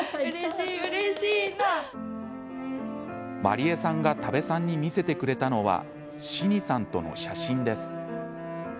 まりえさんが多部さんに見せてくれたのは信義さんとの写真です。